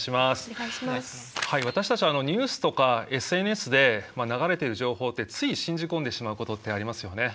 私たちはニュースとかＳＮＳで流れてる情報ってつい信じ込んでしまうことってありますよね。